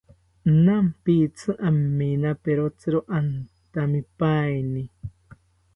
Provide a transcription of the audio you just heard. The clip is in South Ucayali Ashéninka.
Nampitzi aminaperotziro antamipaeni